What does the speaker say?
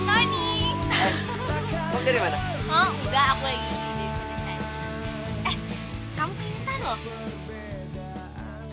hah enggak aku lagi di sini